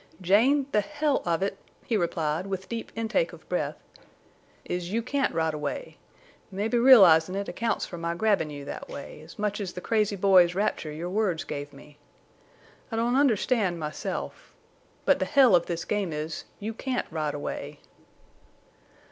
"Jane, the hell—of it," he replied, with deep intake of breath, "is you can't ride away. Mebbe realizin' it accounts for my grabbin' you—that way, as much as the crazy boy's rapture your words gave me. I don't understand myself.... But the hell of this game is—you can't ride away."